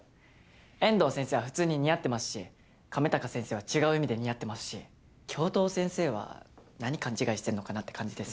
遠藤先生は普通に似合ってますし亀高先生は違う意味で似合ってますし教頭先生は何勘違いしてんのかなって感じです。